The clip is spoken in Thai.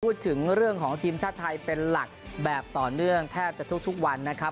พูดถึงเรื่องของทีมชาติไทยเป็นหลักแบบต่อเนื่องแทบจะทุกวันนะครับ